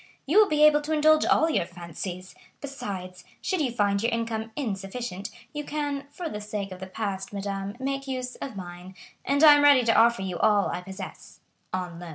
You will be able to indulge all your fancies; besides, should you find your income insufficient, you can, for the sake of the past, madame, make use of mine; and I am ready to offer you all I possess, on loan."